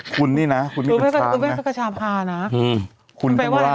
คุณนี่นะคุณนี่เป็นศักดิ์ภาพนะ